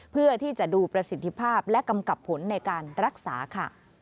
เพื่อที่จะดูประสิทธิภาพและกำกับผลในการรักษาค่ะ